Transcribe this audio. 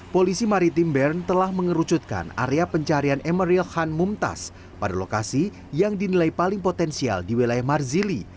polisi maritim bern telah mengerucutkan area pencarian emeril khan mumtaz pada lokasi yang dinilai paling potensial di wilayah marzili